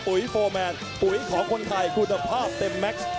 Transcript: โฟร์แมนปุ๋ยของคนไทยคุณภาพเต็มแม็กซ์